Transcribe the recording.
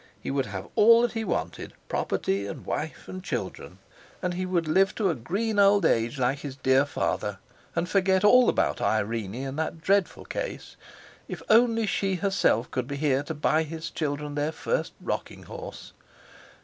He would have all that he wanted: property, and wife, and children! And he would live to a green old age, like his dear father, and forget all about Irene and that dreadful case. If only she herself could be here to buy his children their first rocking horse!